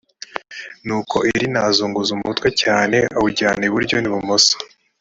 nuko irina azunguza umutwe cyane awujyana iburyo n ibumoso